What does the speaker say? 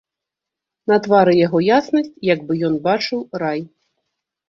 На твары яго яснасць, як бы ён бачыў рай.